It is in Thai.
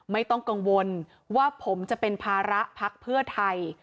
ไม่ต้องกังวลว่าผมจะเป็นภาระพักเพื่อไทย